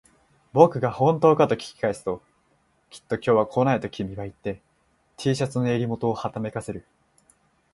僕が本当かと聞き返すと、きっと今日は来ないと君は言って、Ｔ シャツの襟元をはためかせる